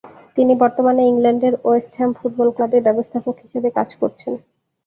তিনি বর্তমানে ইংল্যান্ডের ওয়েস্ট হ্যাম ফুটবল ক্লাবে ব্যবস্থাপক হিসেবে কাজ করছেন।